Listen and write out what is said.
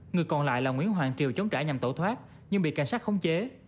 người còn lại là nguyễn hoàng triều chống trả nhằm tẩu thoát nhưng bị cảnh sát khống chế